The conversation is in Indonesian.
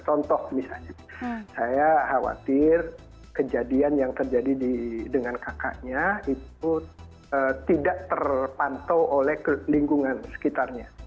contoh misalnya saya khawatir kejadian yang terjadi dengan kakaknya itu tidak terpantau oleh lingkungan sekitarnya